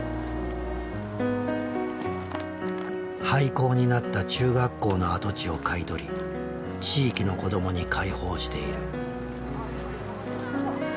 廃校になった中学校の跡地を買い取り地域の子どもに開放している。